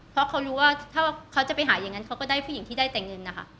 เพราะเขารู้ว่าถ้าเขาจะไปหาอย่างนั้นเขาก็ได้ผู้หญิงที่ได้แต่เงินนะคะ